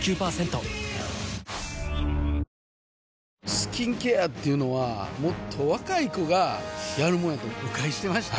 スキンケアっていうのはもっと若い子がやるもんやと誤解してました